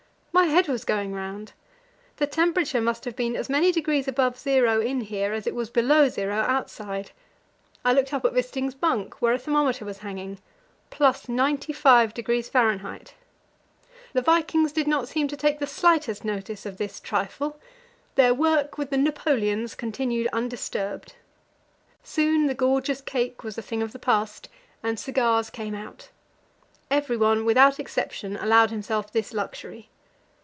My head was going round; the temperature must have been as many degrees above zero in here as it was below zero outside. I looked up at Wisting's bunk, where a thermometer was hanging: +95° F. The vikings did not seem to take the slightest notice of this trifle; their work with the "Napoleons" continued undisturbed. Soon the gorgeous cake was a thing of the past, and cigars came out. Everyone, without exception, allowed himself this luxury.